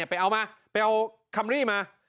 ไปเอามาไปเอาคัมรี่มา